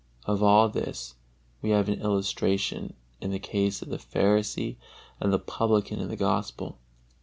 Of all this we have an illustration in the case of the Pharisee and the Publican in the Gospel.